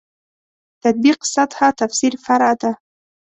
تطبیق سطح تفسیر فرع ده.